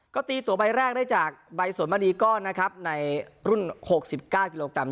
ก็ตีตั๋วใบแรกได้จากใบส่วนมาดีก้อนในรุ่นหกสิบแก้กิโลกรัม